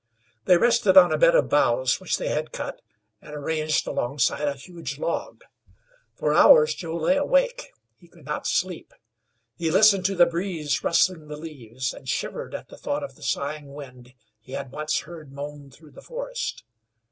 They rested on a bed of boughs which they had cut and arranged alongside a huge log. For hours Joe lay awake, he could not sleep. He listened to the breeze rustling the leaves, and shivered at the thought of the sighing wind he had once heard moan through the forest.